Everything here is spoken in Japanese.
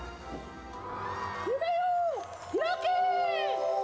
夢よ、開け！